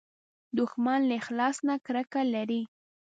دښمن له اخلاص نه کرکه لري